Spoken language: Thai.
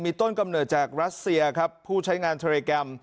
ต้นกำเนิดจากรัสเซียครับผู้ใช้งานเทรแกรม